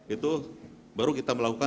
itu baru kita melakukan